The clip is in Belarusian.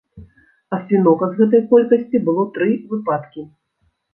А свінога з гэтай колькасці было тры выпадкі.